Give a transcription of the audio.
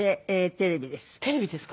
テレビですか。